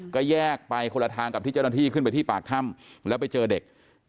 ก็แยกไปคนละทางกับที่เจ้าหน้าที่ขึ้นไปที่ปากถ้ำแล้วไปเจอเด็ก